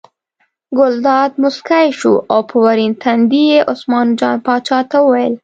ګلداد موسکی شو او په ورین تندي یې عثمان جان پاچا ته وویل.